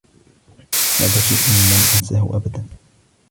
هذا شيء لن أنساه أبدا.